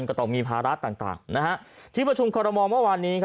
ก็ต้องมีภาระต่างที่ประชุมคอรมอลเมื่อวานนี้